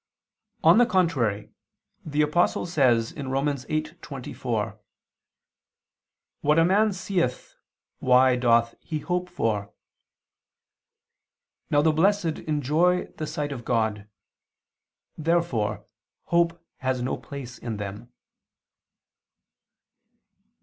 On the contrary, The Apostle says (Rom. 8:24): "What a man seeth, why doth he hope for?" Now the blessed enjoy the sight of God. Therefore hope has no place in them.